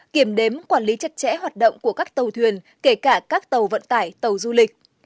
kiểm đếm quản lý chặt chẽ hoạt động của các tàu thuyền kể cả các tàu vận tải tàu du lịch